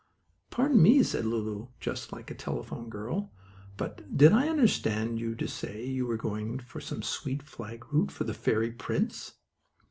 "Pardon me," said Lulu, just like a telephone girl, "but did I understand you to say you were going for some sweet flag root for the fairy prince?"